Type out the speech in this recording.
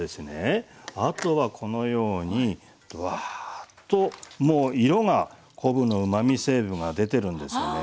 あとはこのようにワーッともう色が昆布のうまみ成分が出てるんですよね。